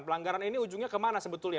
pelanggaran ini ujungnya kemana sebetulnya